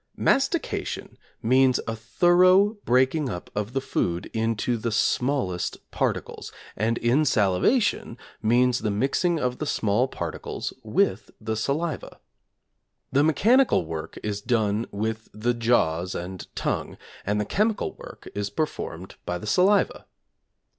Mastication means a thorough breaking up of the food into the smallest particles, and insalivation means the mixing of the small particles with the saliva. The mechanical work is done with the jaws and tongue, and the chemical work is performed by the saliva.